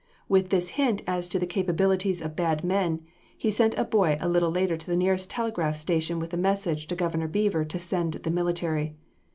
With this hint as to the capabilities of bad men, he sent a boy a little later to the nearest telegraph station with a message to Governor Beaver to send the military.